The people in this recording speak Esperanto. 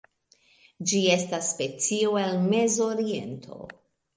Ĝi estas specio el Mezoriento.